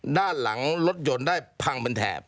ด้านหลังรถยนต์ได้พังเป็นแถบ